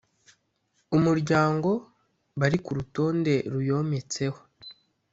Umuryango bari ku rutonde ruyometseho